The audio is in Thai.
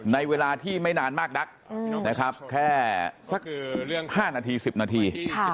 ในเวลาที่ไม่นานมากนักนะครับแค่สัก๕นาที๑๐นาที